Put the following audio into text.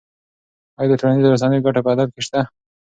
ایا د ټولنیزو رسنیو ګټه په ادب کې شته؟